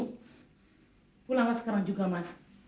pulanglah sekarang juga mas